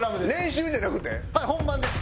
はい本番です。